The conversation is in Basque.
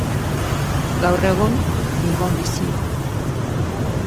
Gaur egun Bilbon bizi da.